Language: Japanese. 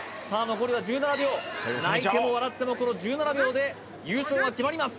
残りは１７秒泣いても笑ってもこの１７秒で優勝は決まります